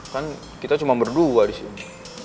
kan kita cuma berdua disini